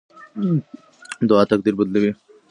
دعا تقدیر بدلوي.